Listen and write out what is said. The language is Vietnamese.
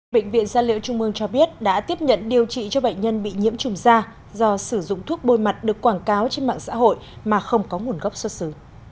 bệnh viện gia liễu trung mương cho biết đã tiếp nhận điều trị cho bệnh nhân bị nhiễm trùng da do sử dụng thuốc bôi mặt được quảng cáo trên mạng xã hội mà không có nguồn gốc xuất xứ